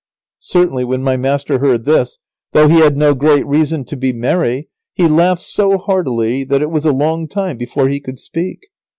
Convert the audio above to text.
Certainly when my master heard this, though he had no great reason to be merry, he laughed so heartily that it was a long time before he could speak.